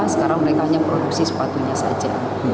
sekarang mereka hanya produksi sepatunya saja